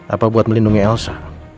apa buat melindungi elsa